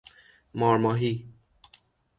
مار ماهی